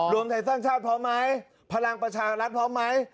รวมไทยสร้างชาติพร้อมไหมพลังประชารัฐพร้อมไหม